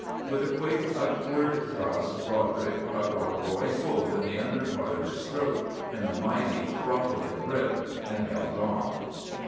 With a quick upward thrust Roderick caught Rob Roy full in the under part of his throat in a mighty, throttling grip, and held on.